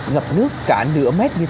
ngập nước cả nửa mét như thế này đến bao giờ